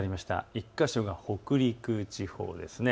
１か所が北陸地方です。